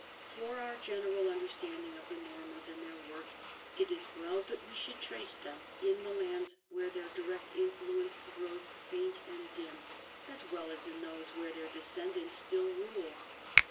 For our general understanding of the Normans and their work, it is well that we should trace them in the lands where their direct influence grows faint and dim, THE NORMAN KINGDOM OF SICILY 247 as well as in those where their descendants still rule.